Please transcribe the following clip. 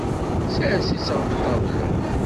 Sers-itt ɣef ṭṭabla.